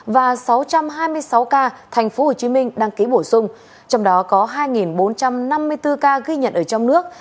và sáu trăm hai mươi sáu ca thành phố hồ chí minh đăng ký bổ sung trong đó có hai bốn trăm năm mươi bốn ca ghi nhận ở trong nước